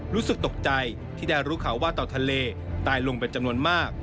รู้สึกตกใจที่ได้รู้ข่าวว่าเต่าทะเลตายลงเป็นจำนวนมาก